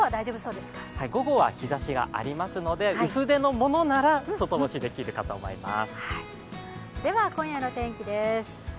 午後は日ざしがありますので、薄手のものなら外干しできるかと思います。